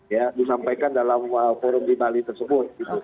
ya disampaikan dalam forum di bali tersebut